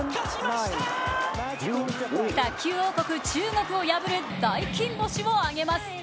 卓球王国・中国を破る大金星を挙げます。